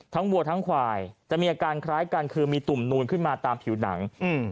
วัวทั้งควายจะมีอาการคล้ายกันคือมีตุ่มนูนขึ้นมาตามผิวหนัง